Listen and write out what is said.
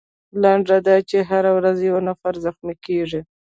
لنډه دا چې هره ورځ یو نفر زخمي کیږي.